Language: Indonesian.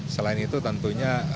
selain itu tentunya